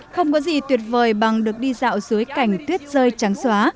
không có gì tuyệt vời bằng được đi dạo dưới cảnh tuyết rơi trắng xóa